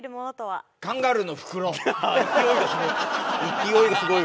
勢いがすごい。